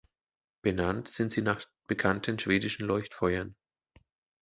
Benannt sind sie nach bekannten schwedischen Leuchtfeuern.